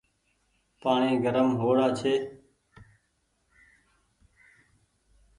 پآڻيٚ گرم هو وڙآ ڇي ۔